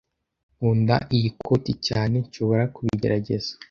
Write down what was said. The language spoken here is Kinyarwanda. Nkunda iyi koti cyane Nshobora kubigerageza?